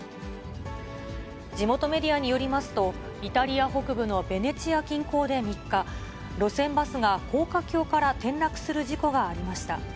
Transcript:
地元メディアによりますと、イタリア北部のベネチア近郊で３日、路線バスが高架橋から転落する事故がありました。